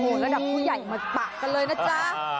ระดับผู้ใหญ่มาปะกันเลยนะจ๊ะ